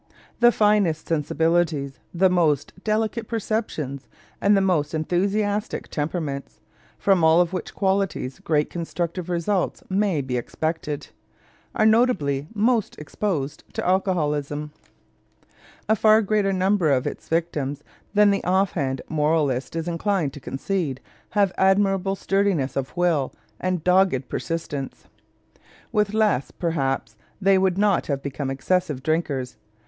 The finest sensibilities, the most delicate perceptions, and the most enthusiastic temperaments from all of which qualities great constructive results may be expected are notably the most exposed to alcoholism. A far greater number of its victims than the offhand moralist is inclined to concede have admirable sturdiness of will and dogged persistence. With less, perhaps, they would not have become excessive drinkers.